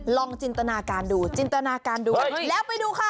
ลองจินตนาการดูแล้วไปดูค่ะ